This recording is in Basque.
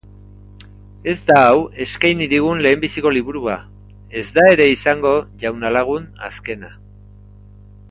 Ez da hau eskaini digun lehenbiziko liburua; ez da ere izango, Jauna lagun, azkena.